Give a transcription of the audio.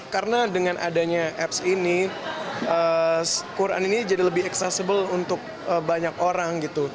karena dengan adanya apps ini quran ini jadi lebih accessible untuk banyak orang